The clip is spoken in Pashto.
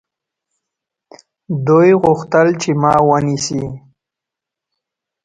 دوی غوښتل چې ما ونیسي.